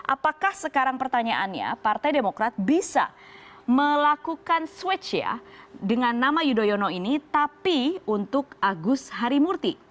apakah sekarang pertanyaannya partai demokrat bisa melakukan switch ya dengan nama yudhoyono ini tapi untuk agus harimurti